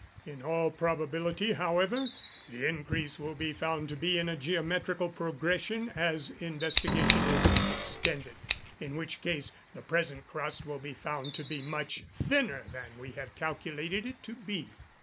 In all probability, however, the increase will be found to be in a geometrical progression as investigation is extended; in which case the present crust will be found to be much thinner than we have calculated it to be.